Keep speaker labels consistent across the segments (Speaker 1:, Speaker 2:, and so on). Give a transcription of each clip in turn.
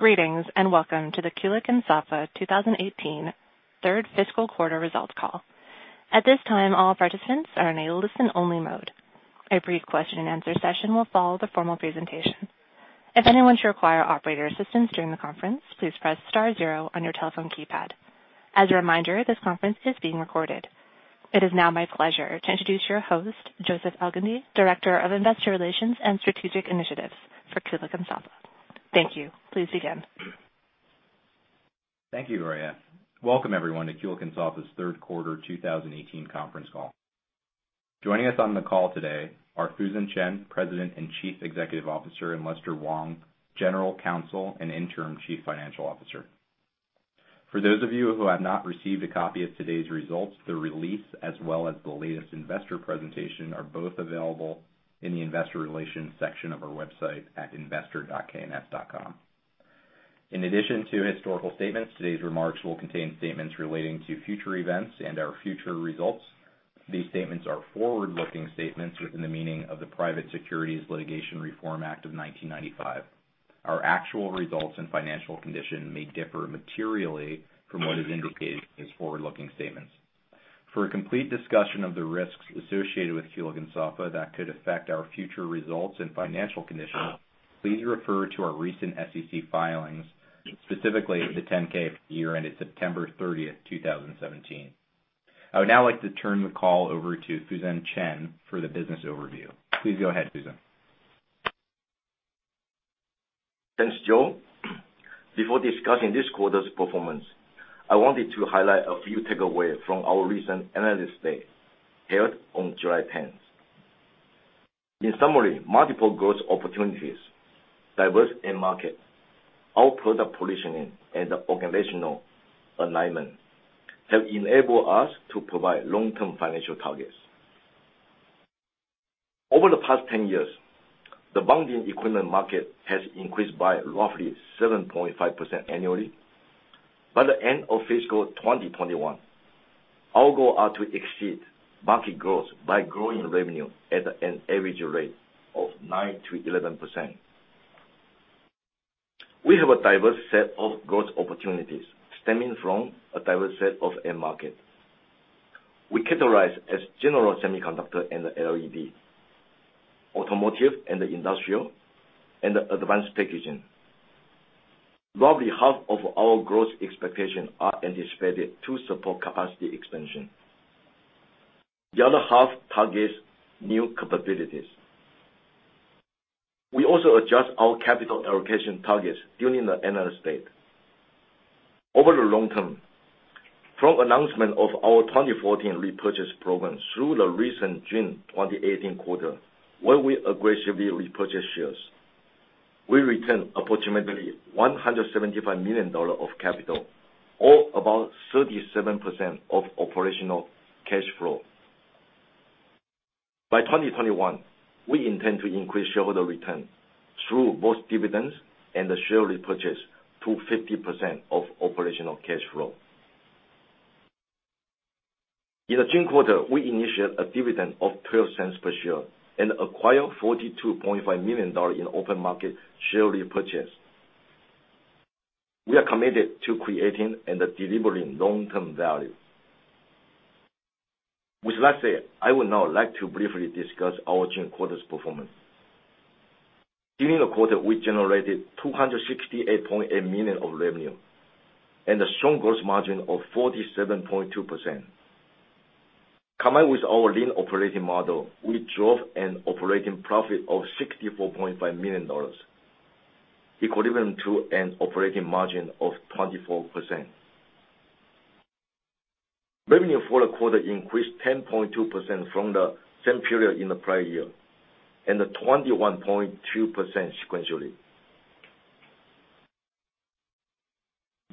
Speaker 1: Greetings, and welcome to the Kulicke and Soffa 2018 third fiscal quarter results call. At this time, all participants are in a listen-only mode. A brief question and answer session will follow the formal presentation. If anyone should require operator assistance during the conference, please press star zero on your telephone keypad. As a reminder, this conference is being recorded. It is now my pleasure to introduce your host, Joseph Elgindy, Director of Investor Relations and Strategic Initiatives for Kulicke and Soffa. Thank you. Please begin.
Speaker 2: Thank you, Gloria. Welcome everyone to Kulicke and Soffa's third quarter 2018 conference call. Joining us on the call today are Fusen Chen, President and Chief Executive Officer, and Lester Wong, General Counsel and Interim Chief Financial Officer. For those of you who have not received a copy of today's results, the release as well as the latest investor presentation are both available in the investor relations section of our website at investor.kns.com. In addition to historical statements, today's remarks will contain statements relating to future events and our future results. These statements are forward-looking statements within the meaning of the Private Securities Litigation Reform Act of 1995. Our actual results and financial condition may differ materially from what is indicated in these forward-looking statements. For a complete discussion of the risks associated with Kulicke and Soffa that could affect our future results and financial condition, please refer to our recent SEC filings, specifically the 10-K for the year ended September 30, 2017. I would now like to turn the call over to Fusen Chen for the business overview. Please go ahead, Fusen.
Speaker 3: Thanks, Joe. Before discussing this quarter's performance, I wanted to highlight a few takeaways from our recent Analyst Day, held on July 10th. In summary, multiple growth opportunities, diverse end market, our product positioning, and the organizational alignment have enabled us to provide long-term financial targets. Over the past 10 years, the bonding equipment market has increased by roughly 7.5% annually. By the end of fiscal 2021, our goal are to exceed market growth by growing revenue at an average rate of 9%-11%. We have a diverse set of growth opportunities stemming from a diverse set of end market. We categorize as general semiconductor and LED, automotive and industrial, and advanced packaging. Roughly half of our growth expectations are anticipated to support capacity expansion. The other half targets new capabilities. We also adjust our capital allocation targets during the Analyst Day. Over the long term, from announcement of our 2014 repurchase program through the recent June 2018 quarter, where we aggressively repurchase shares, we returned approximately $175 million of capital, or about 37% of operational cash flow. By 2021, we intend to increase shareholder return through both dividends and the share repurchase to 50% of operational cash flow. In the June quarter, we initiated a dividend of $0.12 per share and acquired $42.5 million in open market share repurchase. We are committed to creating and delivering long-term value. With that said, I would now like to briefly discuss our June quarter's performance. During the quarter, we generated $268.8 million of revenue and a strong gross margin of 47.2%. Combined with our lean operating model, we drove an operating profit of $64.5 million, equivalent to an operating margin of 24%. Revenue for the quarter increased 10.2% from the same period in the prior year, and 21.2% sequentially.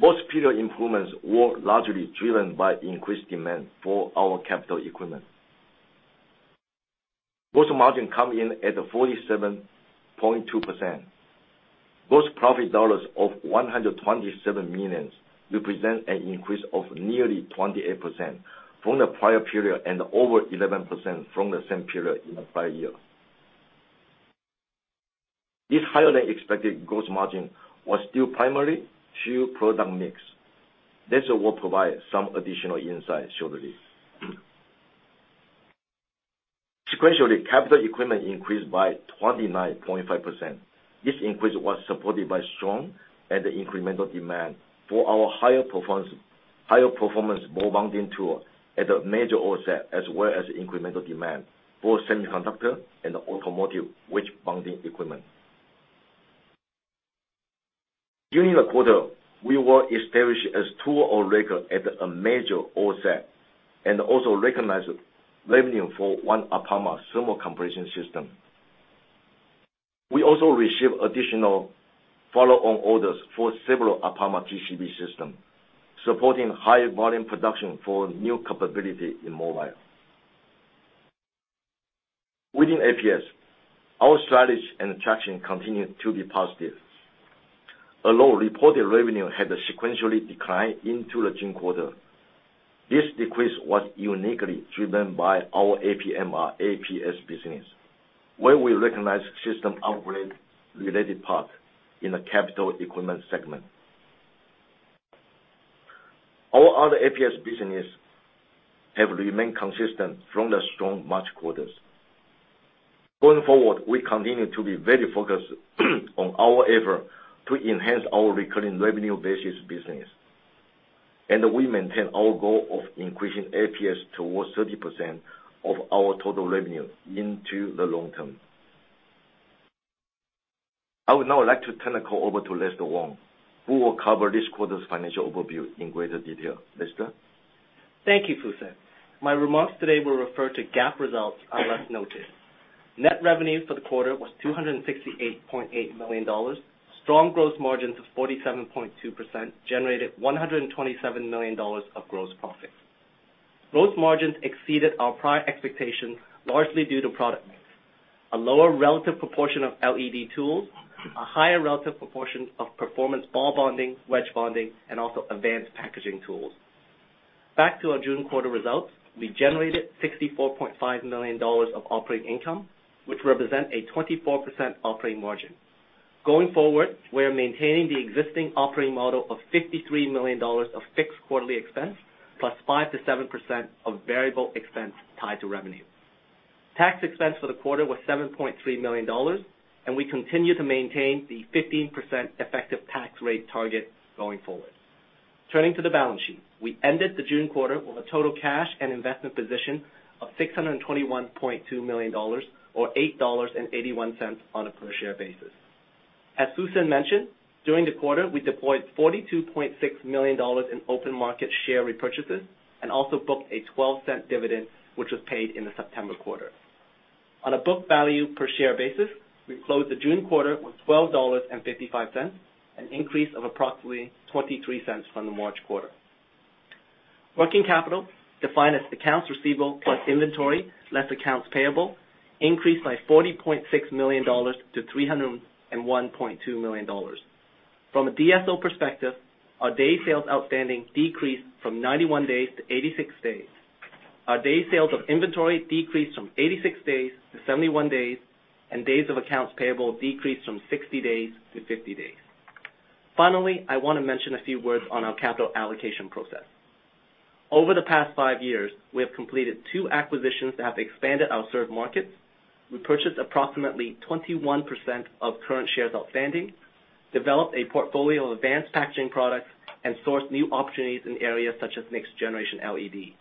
Speaker 3: Most period improvements were largely driven by increased demand for our capital equipment. Gross margin came in at 47.2%. Gross profit dollars of $127 million represents an increase of nearly 28% from the prior period and over 11% from the same period in the prior year. This higher-than-expected gross margin was due primarily to product mix. Lester will provide some additional insight shortly. Sequentially, capital equipment increased by 29.5%. This increase was supported by strong and incremental demand for our higher performance ball bonder tool as a major OSAT, as well as incremental demand for semiconductor and automotive wedge bonder equipment. During the quarter, we were established as tool of record at a major OSAT and also recognized revenue for one APAMA thermal compression system. We also received additional follow-on orders for several APAMA TCB systems, supporting high volume production for new capability in mobile. Within APS, our status and traction continue to be positive. Although reported revenue had a sequential decline into the June quarter. This decrease was uniquely driven by our APMR APS business, where we recognized system upgrade related parts in the capital equipment segment. Our other APS businesses have remained consistent from the strong March quarter. Going forward, we continue to be very focused on our effort to enhance our recurring revenue base business. We maintain our goal of increasing APS towards 30% of our total revenue into the long term. I would now like to turn the call over to Lester Wong, who will cover this quarter's financial overview in greater detail. Lester?
Speaker 4: Thank you, Fusen. My remarks today will refer to GAAP results unless noted. Net revenue for the quarter was $268.8 million. Strong gross margins of 47.2% generated $127 million of gross profit. Gross margins exceeded our prior expectations largely due to product mix. A lower relative proportion of LED tools, a higher relative proportion of performance ball bonding, wedge bonding, and also advanced packaging tools. Back to our June quarter results, we generated $64.5 million of operating income, which represented a 24% operating margin. Going forward, we are maintaining the existing operating model of $53 million of fixed quarterly expense, plus 5%-7% of variable expense tied to revenue. Tax expense for the quarter was $7.3 million, and we continue to maintain the 15% effective tax rate target going forward. Turning to the balance sheet. We ended the June quarter with a total cash and investment position of $621.2 million or $8.81 on a per share basis. As Fusen mentioned, during the quarter, we deployed $42.6 million in open market share repurchases and also booked a $0.12 dividend, which was paid in the September quarter. On a book value per share basis, we closed the June quarter with $12.55, an increase of approximately $0.23 from the March quarter. Working capital, defined as accounts receivable plus inventory, less accounts payable, increased by $40.6 million to $301.2 million. From a DSO perspective, our day sales outstanding decreased from 91 days to 86 days. Our day sales of inventory decreased from 86 days to 71 days, and days of accounts payable decreased from 60 days to 50 days. Finally, I want to mention a few words on our capital allocation process. Over the past five years, we have completed two acquisitions that have expanded our served markets. We purchased approximately 21% of current shares outstanding, developed a portfolio of advanced packaging products, and sourced new opportunities in areas such as next generation LED.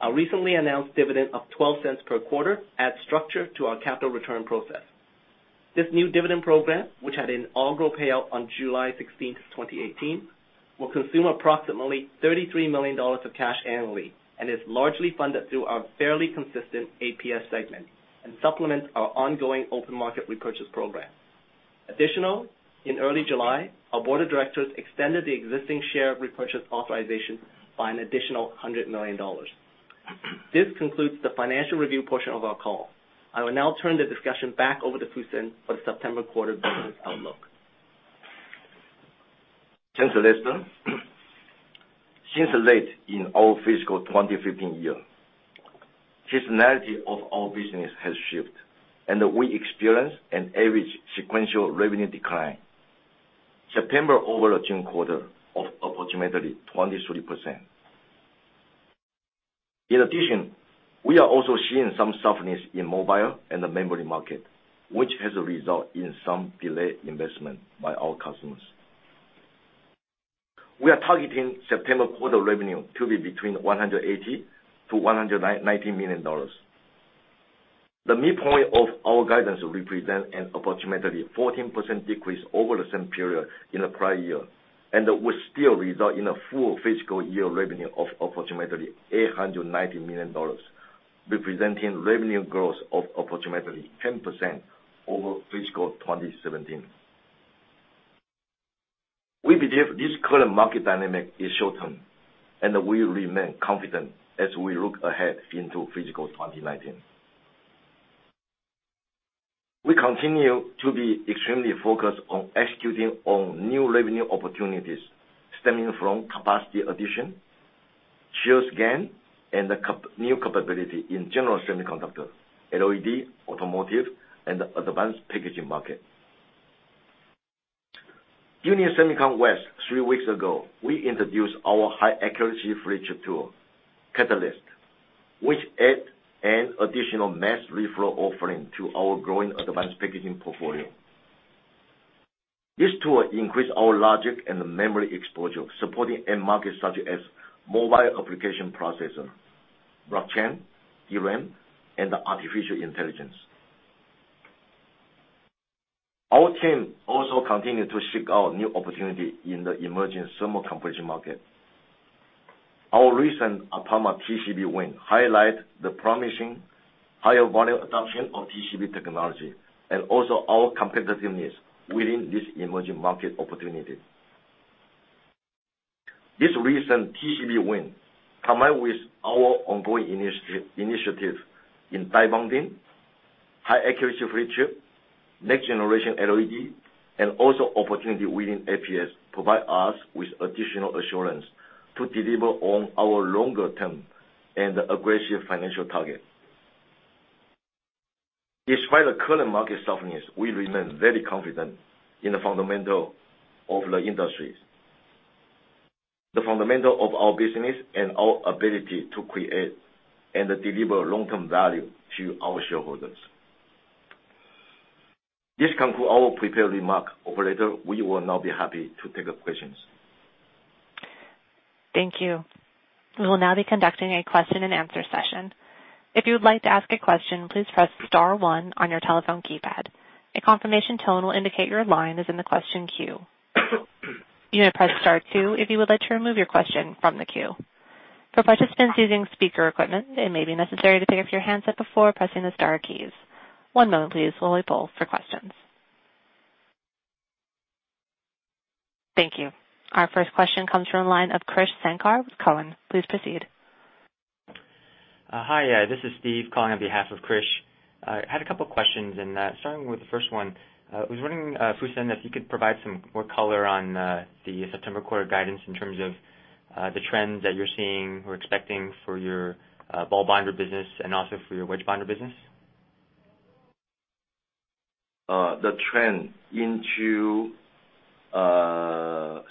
Speaker 4: Our recently announced dividend of $0.12 per quarter adds structure to our capital return process. This new dividend program, which had an inaugural payout on July 16th, 2018, will consume approximately $33 million of cash annually and is largely funded through our fairly consistent APS segment and supplements our ongoing open market repurchase program. Additional, in early July, our board of directors extended the existing share repurchase authorization by an additional $100 million. This concludes the financial review portion of our call. I will now turn the discussion back over to Fusen for the September quarter business outlook.
Speaker 3: Thanks, Lester. Since late in our fiscal 2015 year, seasonality of our business has shifted, and we experienced an average sequential revenue decline September over June quarter of approximately 23%. In addition, we are also seeing some softness in mobile and the memory market, which has a result in some delayed investment by our customers. We are targeting September quarter revenue to be between $180 million-$190 million. The midpoint of our guidance will represent an approximately 14% decrease over the same period in the prior year, and will still result in a full fiscal year revenue of approximately $890 million, representing revenue growth of approximately 10% over fiscal 2017. We believe this current market dynamic is short term and we remain confident as we look ahead into fiscal 2019. We continue to be extremely focused on executing on new revenue opportunities stemming from capacity addition, shares gain, and the new capability in general semiconductor, LED, automotive, and advanced packaging market. During SEMICON West three weeks ago, we introduced our high accuracy flip chip tool, Katalyst, which add an additional mass reflow offering to our growing advanced packaging portfolio. This tool increase our logic and memory exposure, supporting end markets such as mobile application processor, blockchain, DRAM, and artificial intelligence. Our team also continue to seek out new opportunity in the emerging thermal compression market. Our recent APAMA TCB win highlight the promising higher volume adoption of TCB technology and also our competitiveness within this emerging market opportunity. This recent TCB win, combined with our ongoing initiative in die bonding high accuracy flip chip, next generation LED, and also opportunity within APS provide us with additional assurance to deliver on our longer-term and aggressive financial target. Despite the current market softness, we remain very confident in the fundamental of the industries, the fundamental of our business, and our ability to create and deliver long-term value to our shareholders. This concludes our prepared remarks. Operator, we will now be happy to take questions.
Speaker 1: Thank you. We will now be conducting a question and answer session. If you would like to ask a question, please press star one on your telephone keypad. A confirmation tone will indicate your line is in the question queue. You may press star two if you would like to remove your question from the queue. For participants using speaker equipment, it may be necessary to pick up your handset before pressing the star keys. One moment please, while we poll for questions. Thank you. Our first question comes from the line of Krish Sankar with Cowen. Please proceed.
Speaker 5: Hi, this is Steve calling on behalf of Krish. I had a couple questions, starting with the first one. I was wondering, Fusen, if you could provide some more color on the September quarter guidance in terms of the trends that you're seeing or expecting for your ball bonder business and also for your wedge bonder business.
Speaker 3: The trend into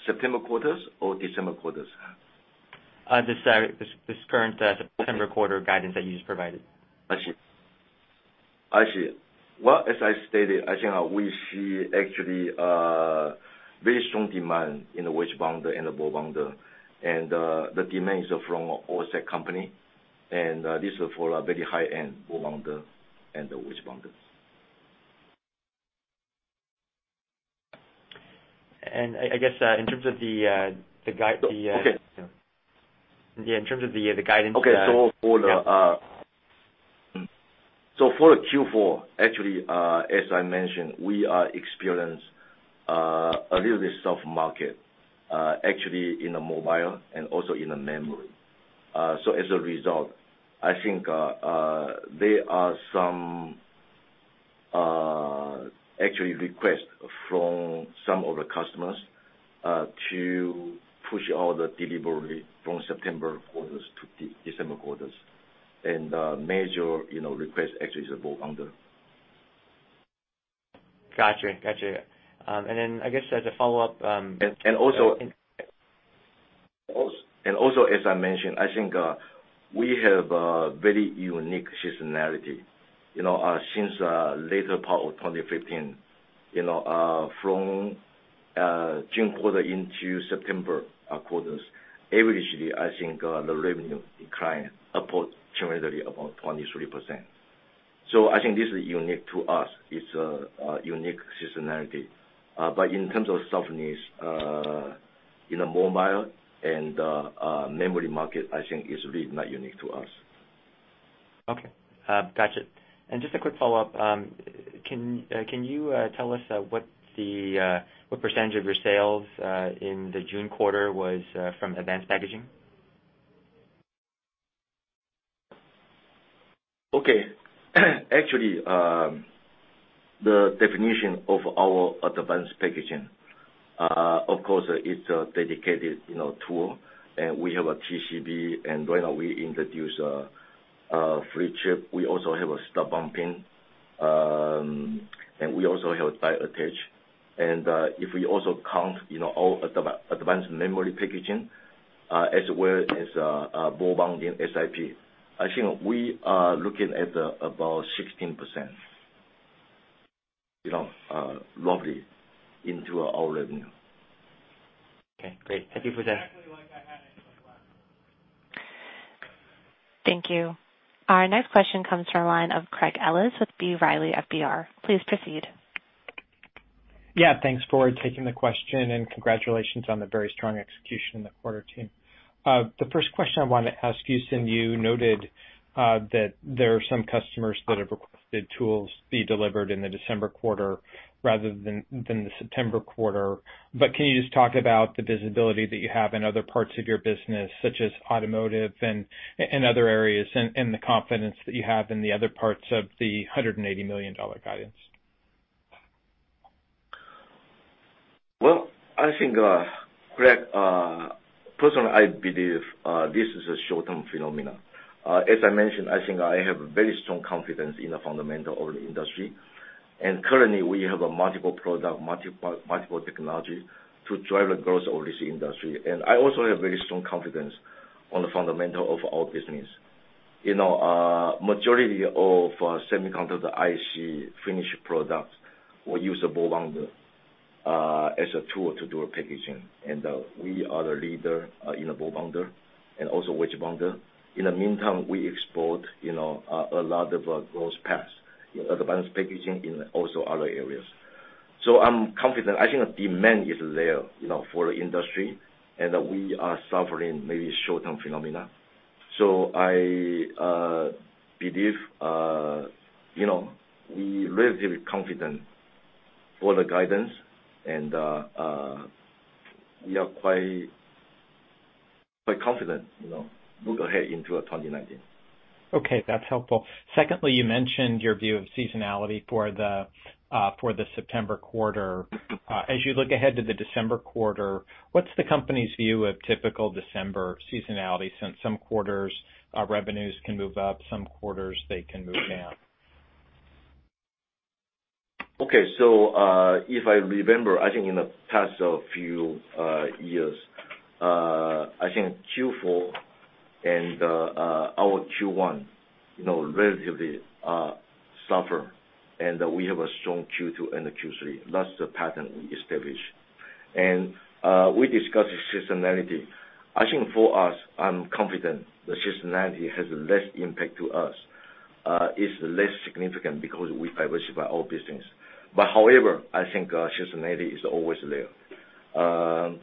Speaker 3: September quarters or December quarters?
Speaker 5: This current September quarter guidance that you just provided.
Speaker 3: I see. Well, as I stated, I think we see actually a very strong demand in the wedge bonder and the ball bonder. The demands are from overseas company. This is for a very high-end ball bonder and the wedge bonder.
Speaker 5: I guess in terms of the guide-
Speaker 3: Okay.
Speaker 5: Yeah, in terms of the guidance-
Speaker 3: Okay. For Q4, actually, as I mentioned, we are experiencing a little bit soft market, actually in the mobile and also in the memory. As a result, I think there are some actually requests from some of the customers, to push all the delivery from September quarters to December quarters. Major requests actually is a ball bonder.
Speaker 5: Got you. I guess as a follow-up.
Speaker 3: Also, as I mentioned, I think we have a very unique seasonality. Since later part of 2015, from June quarter into September quarters, averagely, I think the revenue decline approximately about 23%. I think this is unique to us, it's a unique seasonality. In terms of softness, in the mobile and memory market, I think is really not unique to us.
Speaker 5: Okay. Got you. Just a quick follow-up. Can you tell us what % of your sales in the June quarter was from advanced packaging?
Speaker 3: Okay. Actually, the definition of our advanced packaging, of course, it's a dedicated tool. We have a TCB. When we introduce a flip chip, we also have a stud bumping. We also have die attach. If we also count all advanced memory packaging, as well as ball bonding SiP, I think we are looking at about 16%, roughly into our revenue.
Speaker 5: Okay, great. Thank you for that.
Speaker 1: Thank you. Our next question comes from the line of Craig Ellis with B. Riley FBR. Please proceed.
Speaker 6: Yeah, thanks for taking the question, congratulations on the very strong execution in the quarter, team. The first question I want to ask you, since you noted that there are some customers that have requested tools be delivered in the December quarter rather than the September quarter, can you just talk about the visibility that you have in other parts of your business, such as automotive and other areas, and the confidence that you have in the other parts of the $180 million guidance?
Speaker 3: I think, Craig, personally, I believe, this is a short-term phenomenon. As I mentioned, I think I have very strong confidence in the fundamental of the industry. Currently, we have a multiple product, multiple technology to drive the growth of this industry. I also have very strong confidence on the fundamental of our business. Majority of semiconductor IC finished products will use a ball bonder as a tool to do a packaging. We are the leader in the ball bonder and also wedge bonder. In the meantime, we explore a lot of growth paths, advanced packaging in also other areas. I'm confident. I think demand is there for the industry, and we are suffering maybe short-term phenomenon. I believe, we relatively confident for the guidance and we are quite confident, move ahead into 2019.
Speaker 6: Okay, that's helpful. Secondly, you mentioned your view of seasonality for the September quarter. As you look ahead to the December quarter, what's the company's view of typical December seasonality, since some quarters, revenues can move up, some quarters they can move down?
Speaker 3: Okay. If I remember, I think in the past few years, I think Q4 and our Q1, relatively suffer, and we have a strong Q2 and a Q3. That's the pattern we established. We discussed seasonality. I think for us, I'm confident that seasonality has less impact to us. It's less significant because we diversify our business. However, I think seasonality is always there.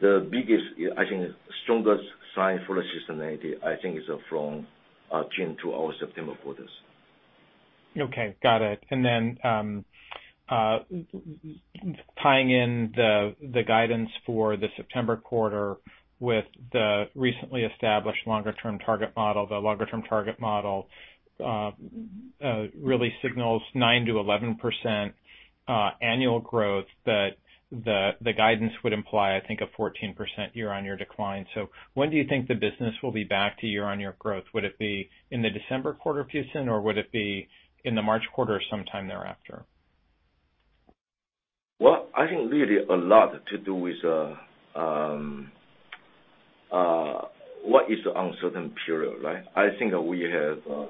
Speaker 3: The biggest, I think, strongest sign for seasonality, I think is from June to our September quarters.
Speaker 6: Okay, got it. Tying in the guidance for the September quarter with the recently established longer-term target model. The longer-term target model really signals 9%-11% annual growth that the guidance would imply, I think, a 14% year-on-year decline. When do you think the business will be back to year-on-year growth? Would it be in the December quarter, Fusen, or would it be in the March quarter sometime thereafter?
Speaker 3: Well, I think really a lot to do with what is the uncertain period, right? I think that we have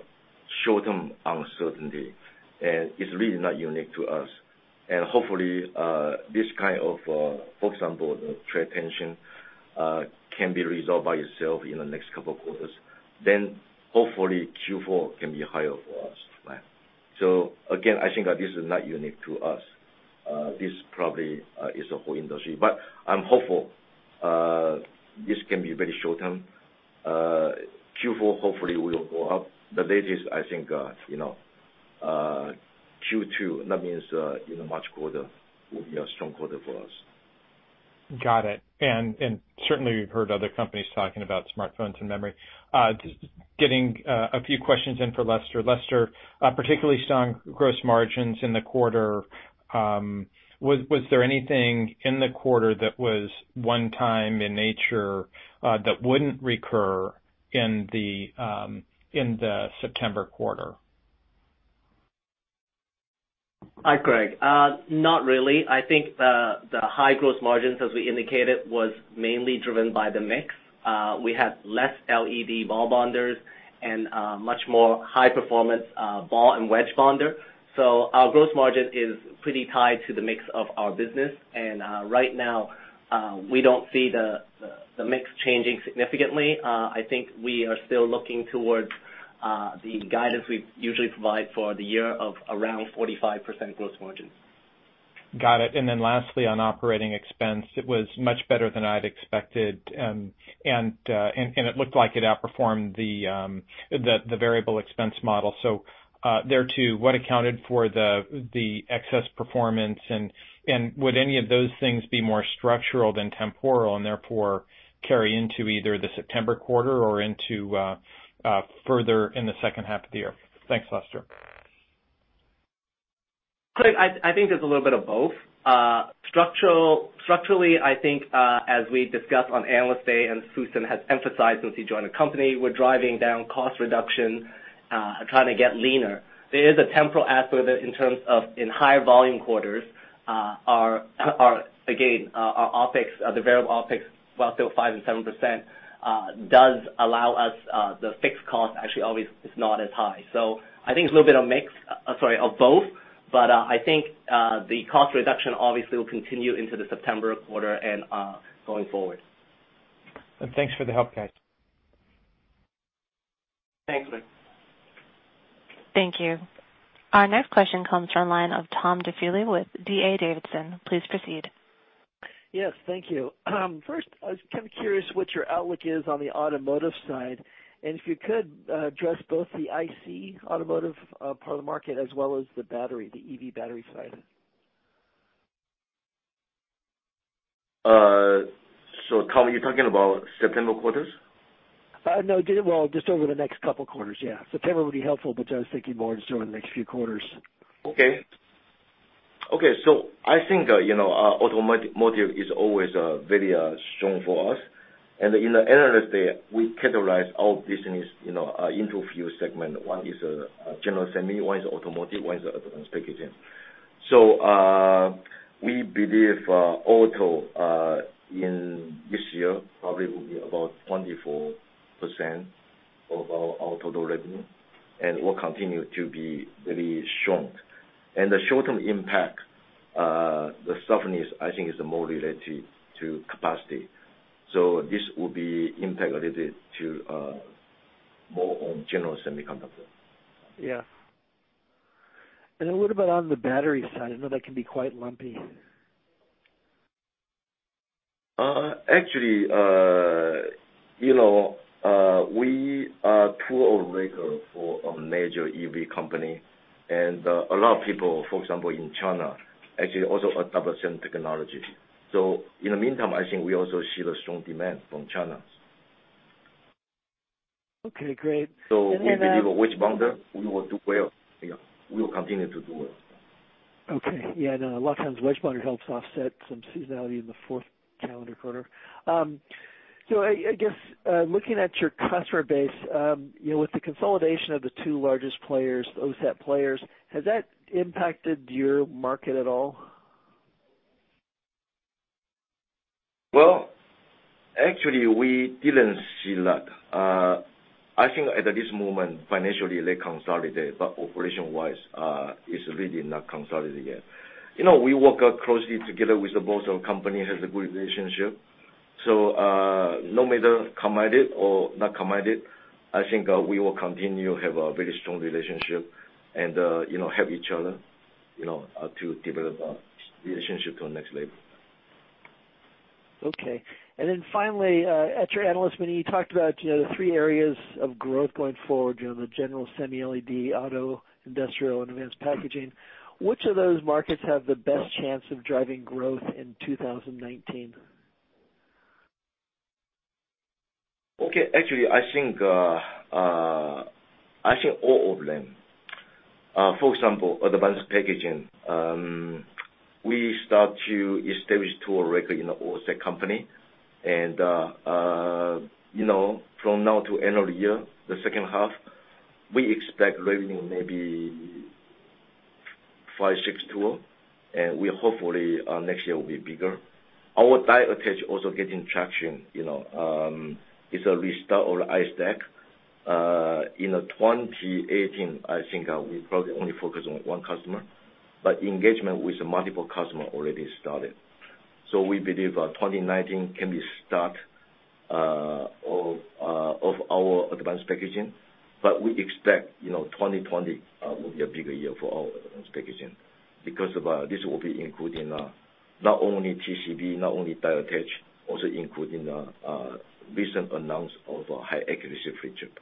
Speaker 3: short-term uncertainty, and it is really not unique to us. Hopefully, this kind of, for example, the trade tension, can be resolved by itself in the next couple quarters. Hopefully Q4 can be higher for us. Again, I think that this is not unique to us. This probably is a whole industry. I am hopeful this can be very short-term. Q4, hopefully will go up. The latest, I think Q2, that means in the March quarter, will be a strong quarter for us.
Speaker 6: Got it. Certainly we have heard other companies talking about smartphones and memory. Getting a few questions in for Lester. Lester, particularly strong gross margins in the quarter. Was there anything in the quarter that was one time in nature, that would not recur in the September quarter?
Speaker 4: Hi, Craig. Not really. I think the high gross margins, as we indicated, was mainly driven by the mix. We have less LED ball bonders and much more high performance ball and wedge bonder. Our gross margin is pretty tied to the mix of our business. Right now, we do not see the mix changing significantly. I think we are still looking towards the guidance we usually provide for the year of around 45% gross margins.
Speaker 6: Got it. Lastly, on operating expense, it was much better than I had expected. It looked like it outperformed the variable expense model. There too, what accounted for the excess performance and would any of those things be more structural than temporal and therefore carry into either the September quarter or into further in the second half of the year? Thanks, Lester.
Speaker 4: Craig, I think there's a little bit of both. Structurally, I think, as we discussed on Analyst Day, and Fusen has emphasized since he joined the company, we're driving down cost reduction, trying to get leaner. There is a temporal aspect in terms of in higher volume quarters are again, our variable OpEx, while still 5% and 7%, does allow us the fixed cost actually always is not as high. I think it's a little bit of both. I think the cost reduction obviously will continue into the September quarter and, going forward.
Speaker 6: Thanks for the help, guys.
Speaker 4: Thanks, Craig.
Speaker 1: Thank you. Our next question comes from line of Tom Diffely with D.A. Davidson. Please proceed.
Speaker 7: Yes. Thank you. First, I was kind of curious what your outlook is on the automotive side, and if you could, address both the IC automotive part of the market as well as the EV battery side.
Speaker 3: Tom, are you talking about September quarters?
Speaker 7: No. Well, just over the next couple quarters, yeah. September would be helpful, I was thinking more just over the next few quarters.
Speaker 3: Okay. I think automotive is always very strong for us. In the Analyst Day, we categorize our business into a few segments. One is general semi, one is automotive, one is other packaging. We believe auto in this year probably will be about 24% of our total revenue and will continue to be very strong. The short-term impact, the softness, I think, is more related to capacity. This will be impact related to more on general semiconductor.
Speaker 7: Yeah. A little bit on the battery side. I know that can be quite lumpy.
Speaker 3: Actually, we are tool of record for a major EV company. A lot of people, for example, in China, actually also adopt the same technology. In the meantime, I think we also see the strong demand from China.
Speaker 7: Okay, great.
Speaker 3: We believe with wedge bonder, we will do well. We will continue to do well.
Speaker 7: Okay. Yeah. No, a lot of times wedge bonder helps OSAT some seasonality in the fourth calendar quarter. I guess, looking at your customer base, with the consolidation of the two largest OSAT players, has that impacted your market at all?
Speaker 3: Well, actually, we didn't see that. I think at this moment, financially, they consolidated, operation-wise, it's really not consolidated yet. We work closely together with both companies, have a good relationship. No matter combined or not combined, I think we will continue have a very strong relationship and help each other to develop a relationship to the next level.
Speaker 7: Okay. Finally, at your analyst meeting, you talked about the three areas of growth going forward, the general semi LED, auto, industrial, and advanced packaging. Which of those markets have the best chance of driving growth in 2019?
Speaker 3: Okay. Actually, I think all of them. For example, advanced packaging. We start to establish tool of record in the OSAT company. From now to end of the year, the second half, we expect revenue maybe five, six tools, we hopefully next year will be bigger. Our die attach also getting traction. It's a restart on iStack. In 2018, I think we probably only focus on one customer, engagement with multiple customer already started. We believe 2019 can be start of our advanced packaging, we expect 2020 will be a bigger year for our advanced packaging because this will be including not only TCB, not only die attach, also including recent announce of high accuracy flip chip.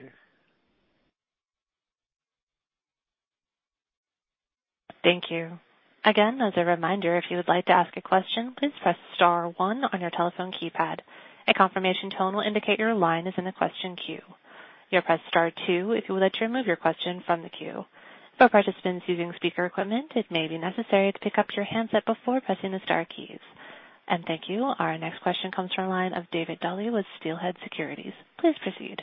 Speaker 7: Okay.
Speaker 1: Thank you. Again, as a reminder, if you would like to ask a question, please press star one on your telephone keypad. A confirmation tone will indicate your line is in the question queue. You'll press star two if you would like to remove your question from the queue. For participants using speaker equipment, it may be necessary to pick up your handset before pressing the star keys. Thank you. Our next question comes from line of Dave Duley with Steelhead Securities. Please proceed.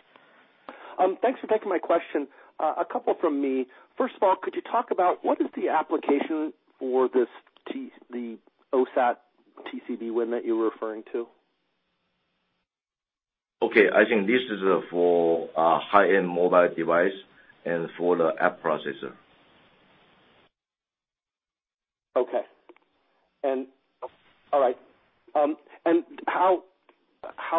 Speaker 8: Thanks for taking my question. A couple from me. First of all, could you talk about what is the application for the OSAT TCB win that you were referring to?
Speaker 3: Okay, I think this is for high-end mobile device and for the application processor.
Speaker 8: Okay. All right. How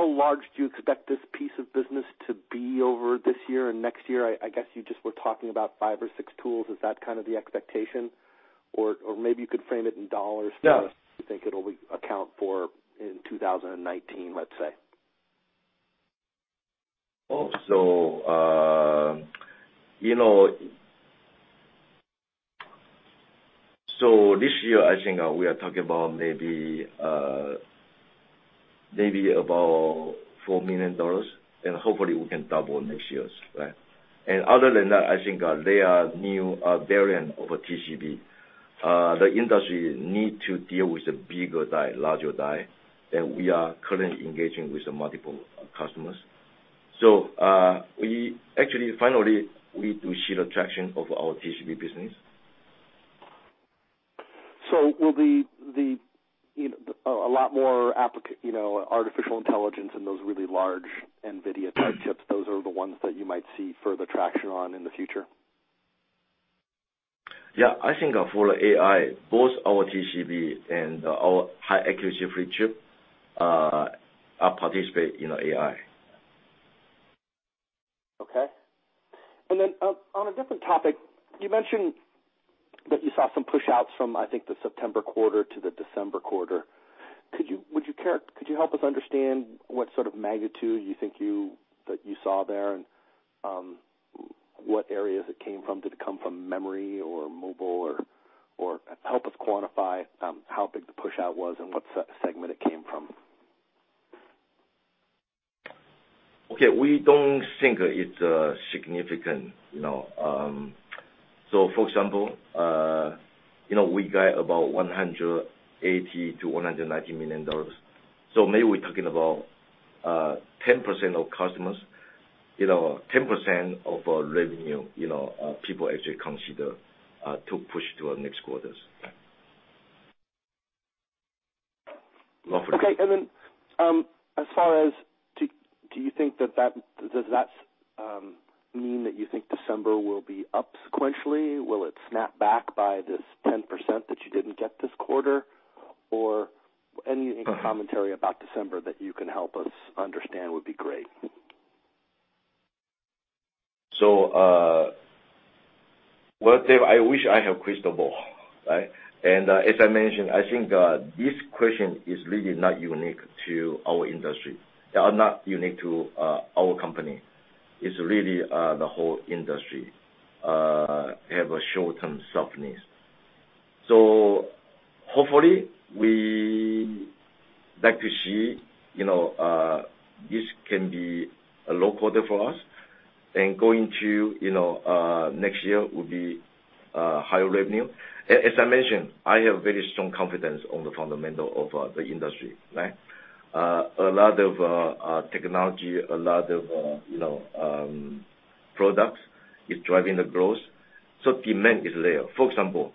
Speaker 8: large do you expect this piece of business to be over this year and next year? I guess you just were talking about five or six tools. Is that kind of the expectation? Or maybe you could frame it in dollars?
Speaker 3: Yeah
Speaker 8: you think it'll account for in 2019, let's say.
Speaker 3: This year, I think we are talking about maybe about $4 million. Hopefully we can double next year. Other than that, I think there are new variant of TCB. The industry need to deal with the bigger die, larger die, and we are currently engaging with multiple customers. Actually, finally we do see the traction of our TCB business.
Speaker 8: Will a lot more artificial intelligence and those really large NVIDIA type chips, those are the ones that you might see further traction on in the future?
Speaker 3: Yeah. I think for AI, both our TCB and our high accuracy flip chip participate in AI.
Speaker 8: Okay. On a different topic, you mentioned that you saw some pushouts from, I think, the September quarter to the December quarter. Could you help us understand what sort of magnitude you think that you saw there and what areas it came from? Did it come from memory or mobile or Help us quantify how big the pushout was and what segment it came from.
Speaker 3: Okay. We don't think it's significant. For example, we got about $180 million to $190 million. Maybe we're talking about 10% of customers, 10% of revenue, people actually consider to push to next quarters.
Speaker 8: Okay. As far as, does that mean that you think December will be up sequentially? Will it snap back by this 10% that you didn't get this quarter? Any commentary about December that you can help us understand would be great.
Speaker 3: Well, Dave, I wish I have crystal ball. As I mentioned, I think this question is really not unique to our company. It's really the whole industry have a short-term softness. Hopefully we like to see this can be a low quarter for us and going to next year will be higher revenue. As I mentioned, I have very strong confidence on the fundamental of the industry, right? A lot of technology, a lot of products is driving the growth. Demand is there. For example,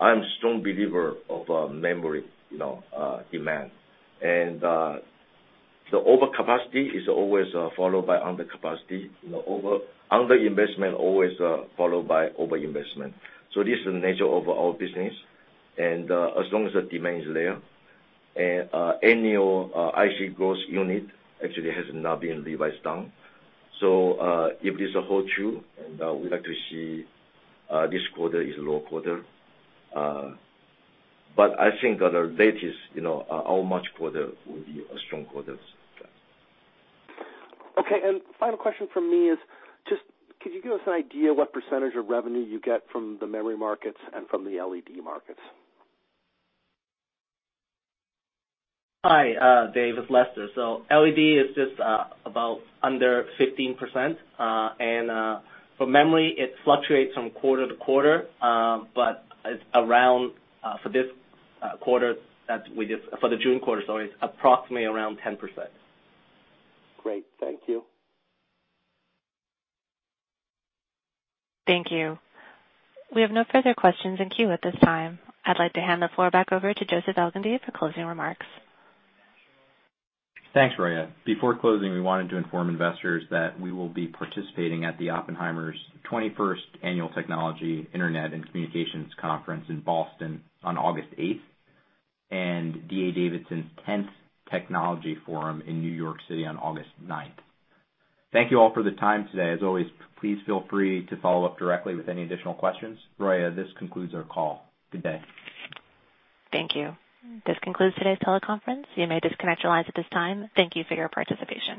Speaker 3: I'm strong believer of memory demand. The overcapacity is always followed by undercapacity. Under-investment always followed by over-investment. This is the nature of our business, and as long as the demand is there, annual IC growth unit actually has now been revised down. If this holds true, we like to see this quarter is low quarter. I think our latest, our March quarter, will be a strong quarter.
Speaker 8: Okay. Final question from me is just could you give us an idea what % of revenue you get from the memory markets and from the LED markets?
Speaker 4: Hi, Dave, it's Lester. LED is just about under 15%. For memory, it fluctuates from quarter to quarter. It's around, for the June quarter, it's approximately around 10%.
Speaker 8: Great. Thank you.
Speaker 1: Thank you. We have no further questions in queue at this time. I'd like to hand the floor back over to Joseph Elgindy for closing remarks.
Speaker 2: Thanks, Roya. Before closing, we wanted to inform investors that we will be participating at the Oppenheimer's 21st Annual Technology, Internet, and Communications Conference in Boston on August 8th and D.A. Davidson's 10th Technology Forum in New York City on August 9th. Thank you all for the time today. As always, please feel free to follow up directly with any additional questions. Roya, this concludes our call. Good day.
Speaker 1: Thank you. This concludes today's teleconference. You may disconnect your lines at this time. Thank you for your participation.